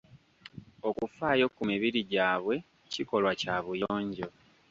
Okufaayo ku mibiri gyabwe kikolwa Kya buyonjo.